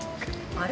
あれ？